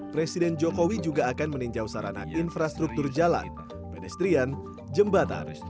presiden jokowi juga akan meninjau sarana infrastruktur jalan pedestrian jembatan